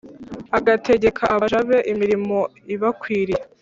Agategeka abaja be imirimo ibakwiriye